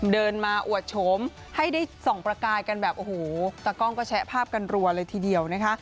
เดินมาอวดโฉมให้ได้ส่องประกายกันแบบโอ้โหตากล้องก็แชะภาพกันรัวเลยทีเดียวนะคะ